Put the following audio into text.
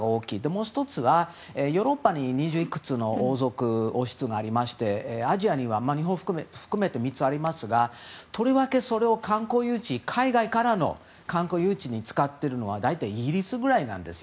もう１つはヨーロッパには二十いくつの王室があってアジアには日本を含めて３つありますがとりわけそれを海外からの観光誘致に使っているのは大体、イギリスぐらいなんです。